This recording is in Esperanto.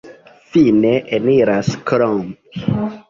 Fine eniras Klomp.